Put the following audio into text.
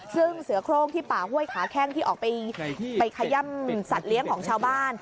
ซึ่งเสือโครงที่ป่าห้วยขาแข้งที่ออกไปขย่ำสัตว์เลี้ยงของชาวบ้าน